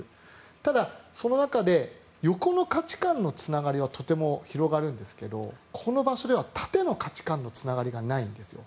ただ、その中で横の価値観のつながりはとても広がるんですけどこの場所では縦の価値観のつながりがないんですよ。